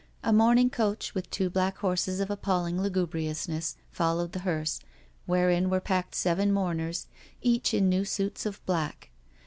A mourning coach, with two black horses of appalling lugubriousness, followed the hearse, wherein were packed seven mourners, each in new suits of black.